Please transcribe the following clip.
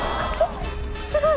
すごい。